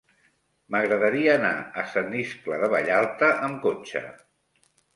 M'agradaria anar a Sant Iscle de Vallalta amb cotxe.